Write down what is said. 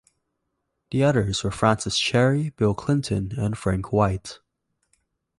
The others were Francis Cherry, Bill Clinton, and Frank White.